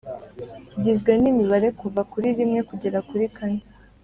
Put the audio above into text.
kigizwe n’imibare kuva kuri rimwe kugera kuri kane